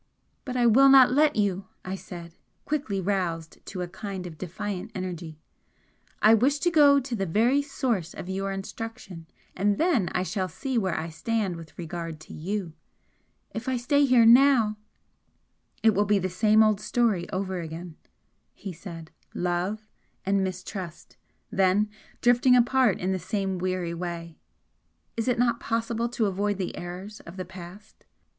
"But I will not let you!" I said, quickly, roused to a kind of defiant energy "I wish to go to the very source of your instruction, and then I shall see where I stand with regard to you! If I stay here now " "It will be the same old story over again!" he said "Love and mistrust! Then drifting apart in the same weary way! Is it not possible to avoid the errors of the past?"